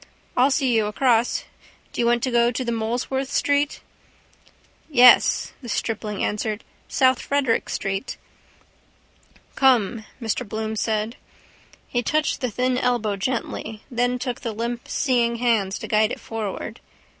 I'll see you across. Do you want to go to Molesworth street? —Yes, the stripling answered. South Frederick street. —Come, Mr Bloom said. He touched the thin elbow gently: then took the limp seeing hand to guide it forward.